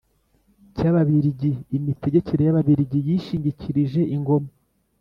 cy'ababiligi. imitegekere y'ababiligi yishingikirije ingoma